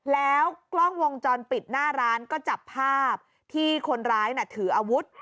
แล้วกล้องวงจรปิดหน้าร้านก็จับภาพที่คนร้ายถืออาวุธ